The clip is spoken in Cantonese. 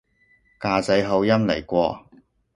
㗎仔口音嚟喎